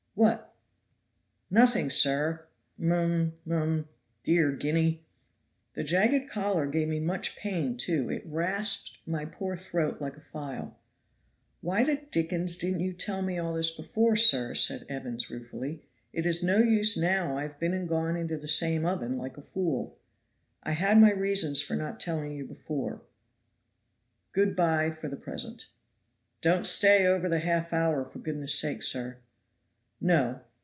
"What?" "Nothing, sir! mum mum dear guinea!" "The jagged collar gave me much pain, too; it rasped my poor throat like a file." "Why the dickens didn't you tell me all this before, sir," said Evans ruefully; "it is no use now I've been and gone into the same oven like a fool." "I had my reasons for not telling you before; good by for the present." "Don't stay over the half hour, for goodness' sake, sir." "No!